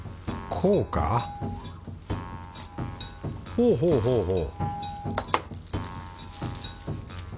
ほうほうほうほう